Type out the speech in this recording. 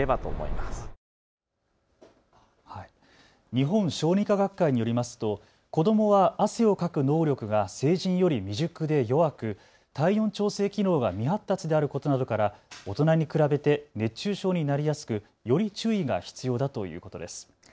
日本小児科学会によりますと子どもは汗をかく能力が成人より未熟で弱く体温調整機能が未発達であることなどから大人に比べて熱中症になりやすくより注意が必要だということです。